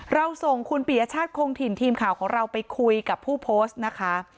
เราส่งคุณปียชาติคงถิ่นทีมข่าวของเราไปคุยกับผู้โพสต์นะคะ